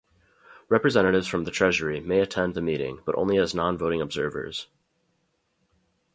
Representatives from the Treasury may attend the meeting, but only as non-voting observers.